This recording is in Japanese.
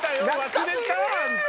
忘れた？